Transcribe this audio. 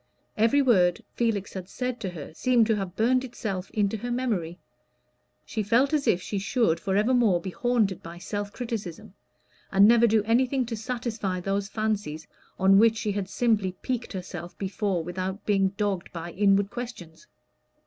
Every word Felix had said to her seemed to have burned itself into her memory. She felt as if she should forevermore be haunted by self criticism, and never do anything to satisfy those fancies on which she had simply piqued herself before without being dogged by inward questions.